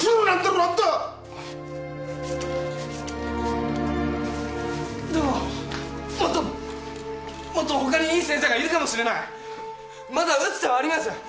アンタでももっとほかにいい先生がいるかもしれないまだ打つ手はあります